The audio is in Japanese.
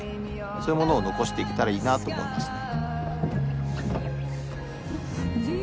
そういうものを残していけたらいいなと思いますね。